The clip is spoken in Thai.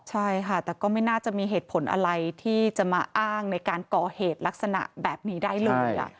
ใช่ค่ะแต่ก็ไม่น่าจะมีเหตุผลอะไรที่จะมาอ้างในการก่อเหตุลักษณะแบบนี้ได้เลย